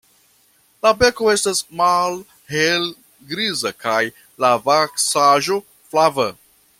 La beko estas malhelgriza kaj la vaksaĵo flava.